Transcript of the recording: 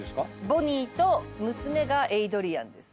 ボニーと娘がエイドリアンです。